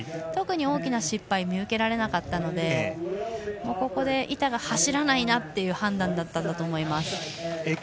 特に、大きな失敗は見受けられなかったので板が走らないなという判断だったと思います。